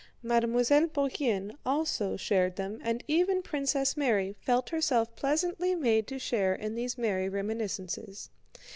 Mademoiselle Bourienne also shared them and even Princess Mary felt herself pleasantly made to share in these merry reminiscences.